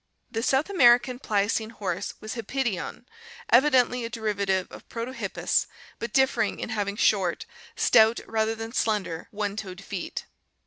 The South American Pliocene horse was Hippidion (Fig. 226), evidently a derivative of Protohippus but differing in having short, stout rather than slender, one toed feet.